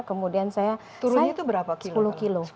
turunnya itu berapa kilo